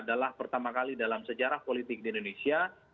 adalah pertama kali dalam sejarah politik di indonesia